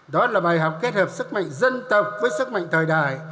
đó là bài học kết hợp sức mạnh dân tộc với sức mạnh thời đại